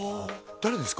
誰ですか？